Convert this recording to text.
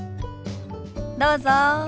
どうぞ。